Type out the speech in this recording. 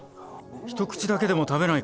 一口だけでも食べないか？